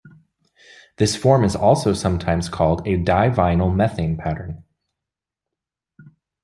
This form is also sometimes called a "divinylmethane pattern".